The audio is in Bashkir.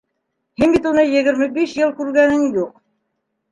Һин бит уны егерме биш йыл күргәнең юҡ!